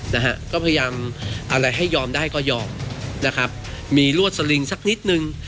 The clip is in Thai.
นะฮะก็พยายามอะไรให้ยอมได้ก็ยอมนะครับมีรวดสลิงสักนิดนึง